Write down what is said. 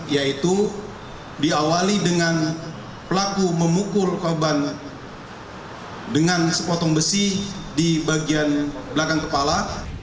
yaitu diawali dengan pelaku memukul korban dengan sepotong besi di bagian belakang kepala